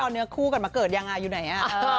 ตอนนี้คู่กันมาเกิดยังไงอยู่ไหน